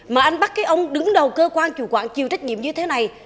mà anh bắt cái ông đứng đầu cơ quan chủ quản chịu trách nhiệm như thế này